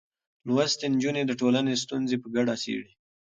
لوستې نجونې د ټولنې ستونزې په ګډه څېړي.